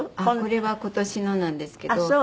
これは今年のなんですけど。